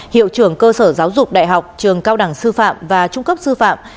hiệu trưởng cơ sở giáo dục đại học trường cao đẳng sư phạm và trung cấp sư phạm